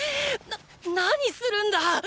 なっ何するんだ！